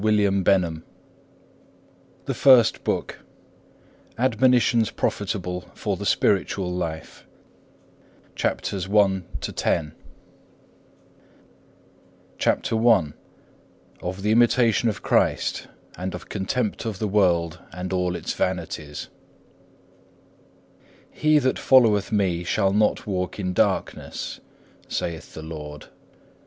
THE IMITATION OF CHRIST THE FIRST BOOK ADMONITIONS PROFITABLE FOR THE SPIRITUAL LIFE CHAPTER I Of the imitation of Christ, and of contempt of the world and all its vanities He that followeth me shall not walk in darkness,(1) saith the Lord.